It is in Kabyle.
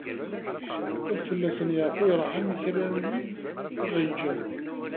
Ad fell-asen yeɛfu yerḥem i kra n wid i aɣ-yeǧǧan.